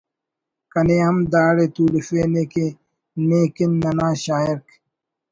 کنے ہم داڑے تولفینے کہ نے کن ننا شاعرک